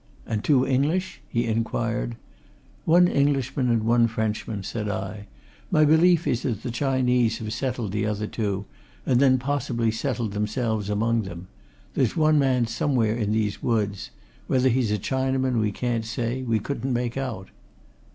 "And two English?" he inquired. "One Englishman, and one Frenchman," said I. "My belief is that the Chinese have settled the other two and then possibly settled themselves, among them. There's one man somewhere in these woods. Whether he's a Chinaman we can't say we couldn't make out."